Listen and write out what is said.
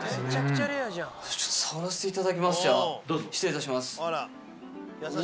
ちょっと触らせていただきます、どうぞ。